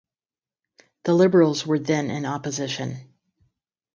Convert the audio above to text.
The Liberals were then in opposition.